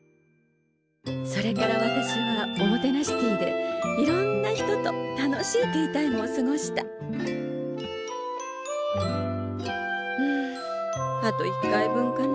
それから私はおもてなしティーでいろんな人と楽しいティータイムを過ごしたうんあと１回分かな。